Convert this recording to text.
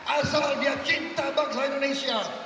asal dia cinta bangsa indonesia